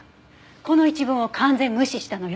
この一文を完全無視したのよ。